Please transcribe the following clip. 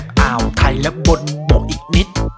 น้ำมันเชื้อเพลิงเอ๊ะคือ